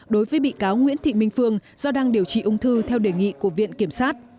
đối với bị cáo nguyễn thị minh phương do đang điều trị ung thư theo đề nghị của viện kiểm sát